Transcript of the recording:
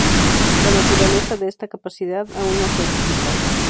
La naturaleza de esta capacidad aún no se ha explicado.